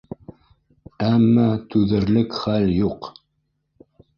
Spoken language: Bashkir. Әммә түҙерлек хәл юҡ.